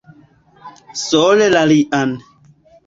Sole la lian.